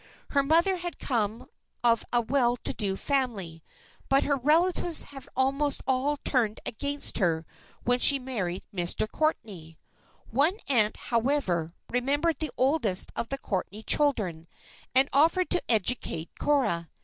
Her mother had come of a well to do family; but her relatives had almost all turned against her when she married Mr. Courtney. One aunt, however, remembered the oldest of the Courtney children, and offered to educate Cora.